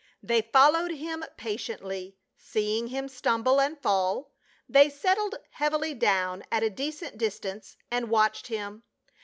They followed him patiently ; seeing him stumble and fall, they settled heavily down at a decent distance and watched him.